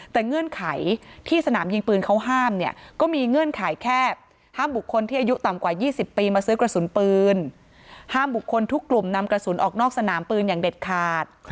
แต่เงื่อนไขที่สนามยิงปืนเขาห้ามเนี่ยก็มีเงื่อนไขแค่ห้ามบุคคลที่อายุต่ำกว่า๒๐ปีมาซื้อกระสุนปืนห้ามบุคคลทุกกลุ่มนำกระสุนออกนอกสนามปืนอย่างเด็ดขาด